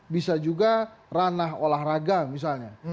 bisa juga ranah olahraga misalnya